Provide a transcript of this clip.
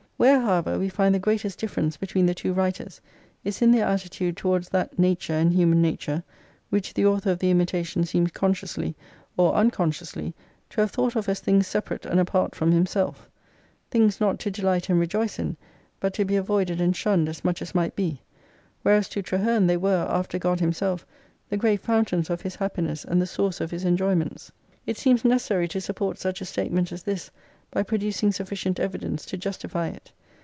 "Where, however, we find the greatest difference be tween the two writers is in their attitude towards that Nature and human nature which the author of the "Imitation" seems (consciously or unconsciously) to have thought of as things separate and apart from him self ; things not to delight and rejoice in, but to be avoided and shunned as much as might be : whereas to Traheme they were, after God Himself, the great fountains of his happiness and the source of his enjoy ments. It seems necessary to support such a statement as this by producing sufficient evidence to justify it.